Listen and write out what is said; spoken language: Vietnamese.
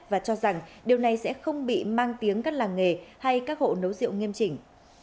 và cho rằng điều này sẽ không bị mang tiếng các làng nghề hay các hộ nấu rượu nghiêm chỉnh